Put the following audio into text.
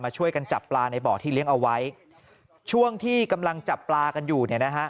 ช่วยกันจับปลาในบ่อที่เลี้ยงเอาไว้ช่วงที่กำลังจับปลากันอยู่เนี่ยนะฮะ